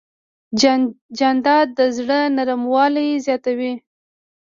جانداد د زړه نرموالی زیاتوي.